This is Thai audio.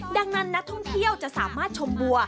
ดังนั้นนักท่องเที่ยวจะสามารถชมบัว